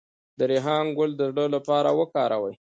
د ریحان ګل د زړه لپاره وکاروئ